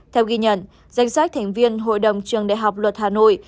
theo ghi nhận danh sách thành viên hội đồng trường đại học luật hà nội